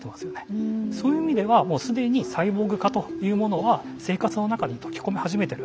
そういう意味では既にサイボーグ化というものは生活の中に溶け込み始めてる。